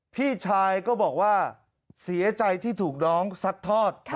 พี่ชายก็บอกว่าเสียใจที่ถูกน้องซัดทอด